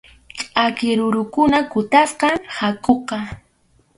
Ch’aki rurukuna kutasqam hakʼuqa.